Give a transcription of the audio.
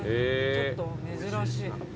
ちょっと珍しい。